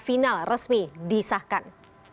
final resmi disahkan